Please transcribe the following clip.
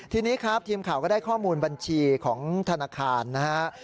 ทีนี้ครับทีมข่าวก็ได้ข้อมูลบัญชีของธนาคารนะฮะ